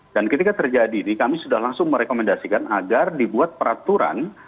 dan ketika terjadi ini kami sudah langsung merekomendasikan agar dibuat peraturan